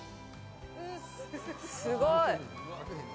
すごい！